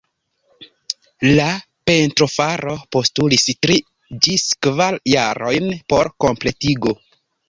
La pentrofaro postulis tri ĝis kvar jarojn por kompletigo.